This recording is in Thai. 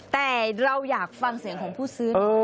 แต่เราอยากฟังเสียงของผู้ซื้อ